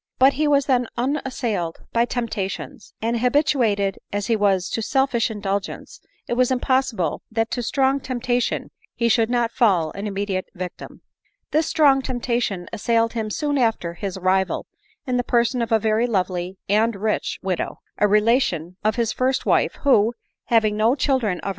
But he, was then unassailed by temptations ; and habituated as he was to selfish indulgence, it was impossible that to strong temptation he should not fall an immediate victim. This strong temptation assailed him soon after his arri val, in the person of a very lovely and rich widow, a relation of his first wife, who, having no children of her 21 ^■4.